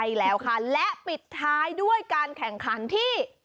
ใช่แล้วค่ะและปิดท้ายด้วยการแข่งขันที่